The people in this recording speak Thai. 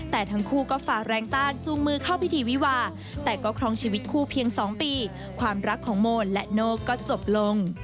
แต่ทั้งคู่ก็ฝากแรงต้านจูงมือเข้าพิธีวิวาแต่ก็ครองชีวิตคู่เพียง๒ปีความรักของโมนและโน่ก็จบลง